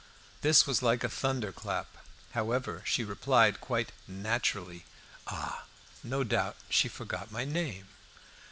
This was like a thunderclap. However, she replied quite naturally "Ah! no doubt she forgot my name."